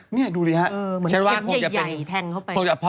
เนี่ยดูเลยฮะเหมือนเข็มใหญ่แทงเข้าไป